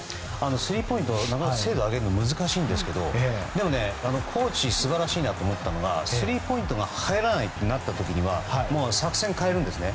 スリーポイントの精度を上げるのは難しいですがでもコーチ素晴らしいと思ったのがスリーポイントが入らないとなった時には作戦を変えるんですね。